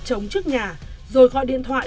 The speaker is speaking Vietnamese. chống trước nhà rồi gọi điện thoại